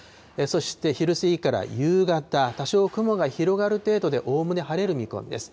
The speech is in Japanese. そして昼過ぎから夕方、多少雲が広がる程度で、おおむね晴れる見込みです。